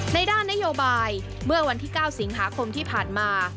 ด้านนโยบายเมื่อวันที่๙สิงหาคมที่ผ่านมา